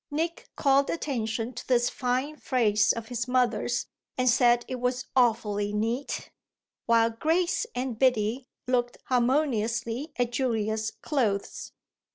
Nick called attention to this fine phrase of his mother's and said it was awfully neat, while Grace and Biddy looked harmoniously at Julia's clothes.